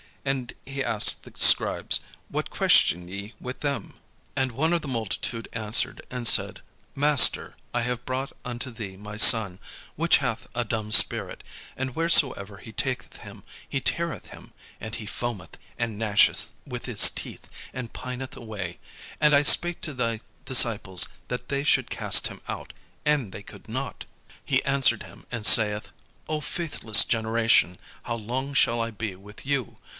And he asked the scribes, "What question ye with them?" And one of the multitude answered and said, "Master, I have brought unto thee my son, which hath a dumb spirit; and wheresoever he taketh him he teareth him: and he foameth, and gnasheth with his teeth, and pineth away: and I spake to thy disciples that they should cast him out; and they could not." He answereth him, and saith, "O faithless generation, how long shall I be with you?